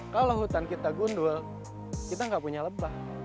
kalau hutan kita gundul kita nggak punya lebah